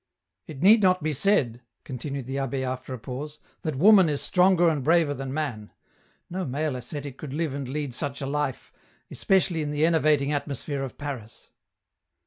It need not be said," continued the abbd after a pause, *' that woman is stronger and braver than man ; no male ascetic could live and lead such a life, especially in the enervating atmosphere of Paris."